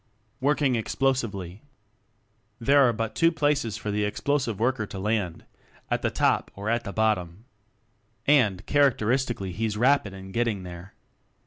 Working Explosively. There are but two places for the Explosive Worker to land at the top or at the bottom. And, characteris tically he's rapid in getting there.